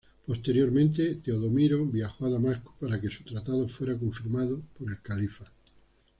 Posteriormente Teodomiro viajó a Damasco para que su tratado fuera confirmado por el Califa.